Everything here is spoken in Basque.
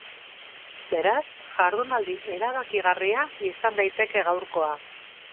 Beraz, jardunaldi erabakigarria izan daiteke gaurkoa.